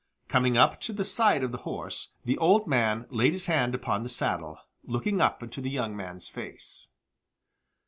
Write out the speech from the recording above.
Coming up to the side of the horse, the old man laid his hand upon the saddle, looking up into the young man's face.